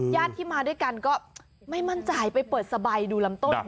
ญาติที่มาด้วยกันก็ไม่มั่นใจไปเปิดสบายดูลำต้น